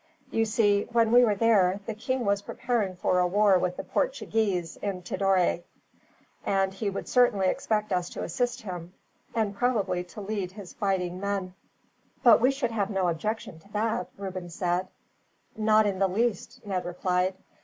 "You see, when we were there, the king was preparing for a war with the Portuguese in Tidore, and he would certainly expect us to assist him, and probably to lead his fighting men." "But we should have no objection to that," Reuben said. "Not in the least," Ned replied.